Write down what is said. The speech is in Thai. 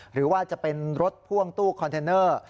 หรือว่าจะเป็นรถพ่วงตู้คอนเทนเนอร์